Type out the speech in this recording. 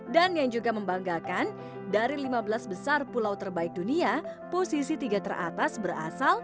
dan yang juga membanggakan dari lima belas besar pulau terbaik dunia posisi tiga teratas berasal